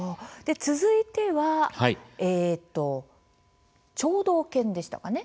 続いては、聴導犬でしたかね。